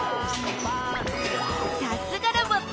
さすがロボット！